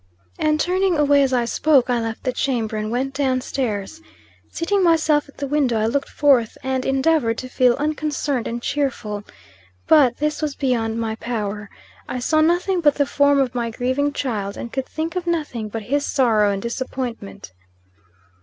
And turning away as I spoke, I left the chamber, and went down stairs. Seating myself at the window, I looked forth and endeavored to feel unconcerned and cheerful. But, this was beyond my power. I saw nothing but the form of my grieving child, and could think of nothing but his sorrow and disappointment.